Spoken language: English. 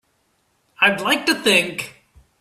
I'd like to think.